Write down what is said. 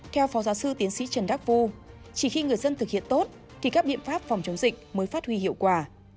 theo phó giáo sư tiến sĩ trần đắc phu chỉ khi người dân thực hiện tốt thì các biện pháp phòng chống dịch mới phát huy hiệu quả